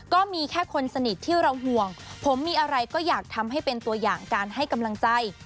ก็มีแค่คนสนิทที่เราห่วงผมมีอะไรก็อยากทำให้เป็นตัวอย่างการให้กำลังใจ